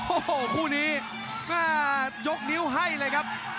โอ้โหคู่นี้แม่ยกนิ้วให้เลยครับ